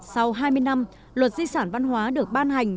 sau hai mươi năm luật di sản văn hóa được ban hành